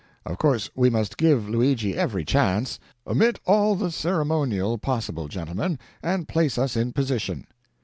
Of course we must give Luigi every chance. Omit all the ceremonial possible, gentlemen, and place us in position."